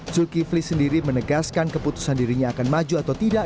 zulkifli sendiri menegaskan keputusan dirinya akan maju atau tidak